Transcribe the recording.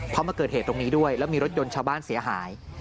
เพราะมาเกิดเหตุตรงนี้ด้วยแล้วมีรถยนต์ชาวบ้านเสียหาย